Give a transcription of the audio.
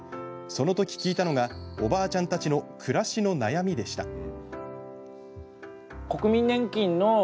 そのとき聞いたのがおばあちゃんたちの暮らしの悩みでした。